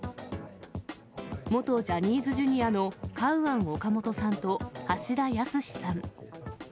元ジャニーズＪｒ．のカウアン・オカモトさんと、橋田康さん。